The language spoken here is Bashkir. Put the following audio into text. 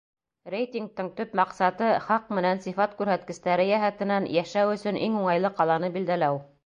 Рейтингтың төп маҡсаты — хаҡ менән сифат күрһәткестәре йәһәтенән йәшәү өсөн иң уңайлы ҡаланы билдәләү.